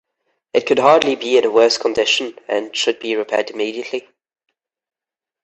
It could hardly be in a worse condition... and should be repaired immediately.